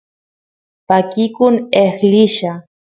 pakikun eqlilla